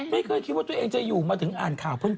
ไม่เคยคิดว่าตัวเองจะอยู่มาถึงอ่านข่าวเพื่อน